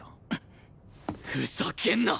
ふざけんな！